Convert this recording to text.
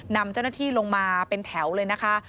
นำเจ้าหน้าที่ลงมาเป็นแถวเลยนะคะ